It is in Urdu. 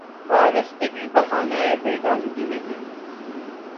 وارستگی بہانۂ بیگانگی نہیں